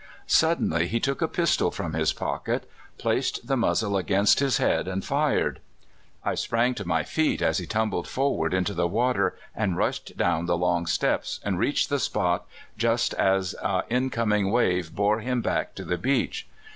Suddenly he took a pistol from his pocket, placed the muzzle against his head, and fired. I sprang to my feet as he tumbled forward into the water, and rushed down the long steps, and reached the spot just as a incoming wave bore him back to the beach.